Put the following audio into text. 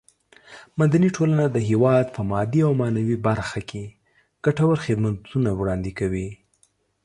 مدني ټولنه د هېواد په مادي او معنوي برخه کې ګټور خدمتونه وړاندې کوي.